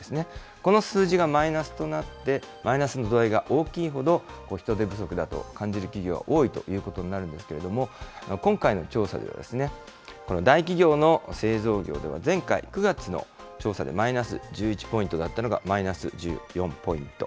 この数字がマイナスとなって、マイナスの度合いが大きいほど、人手不足だと感じる企業が多いということになるんですけれども、今回の調査では、大企業の製造業では前回・９月の調査でマイナス１１ポイントだったのがマイナス１４ポイント。